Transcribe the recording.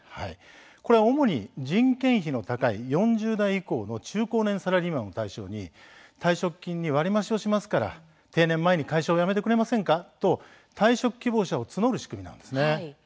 主に人件費の高い４０代以降の中高年サラリーマンを対象に退職金に割り増しをしますから定年前に会社を辞めてくれませんかと退職希望者を募る仕組みです。